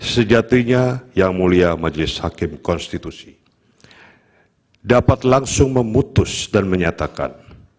sejatinya yang mulia majelis hakim konstitusi dapat langsung memutus dan menyatakan